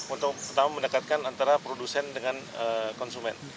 untuk pertama mendekatkan antara produsen dengan konsumen